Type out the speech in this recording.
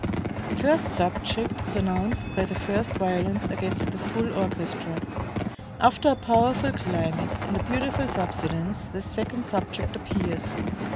The first subject is announced by the first violins against the full orchestra.... After a powerful climax and a beautiful subsidence, ... the second subject appears